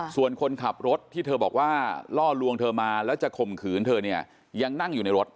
ส่วนคนขับรถที่เธอบอกว่าล่อลวงเธอมาแล้วจะข่มขืนเธอเนี่ยยังนั่งอยู่ในรถ